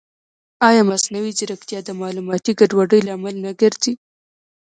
ایا مصنوعي ځیرکتیا د معلوماتي ګډوډۍ لامل نه ګرځي؟